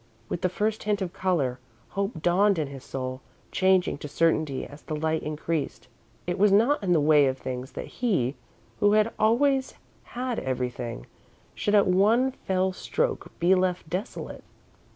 With the first hint of colour, hope dawned in his soul, changing to certainty as the light increased. It was not in the way of things that he, who had always had everything, should at one fell stroke be left desolate.